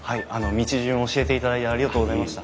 道順を教えていただいてありがとうございました。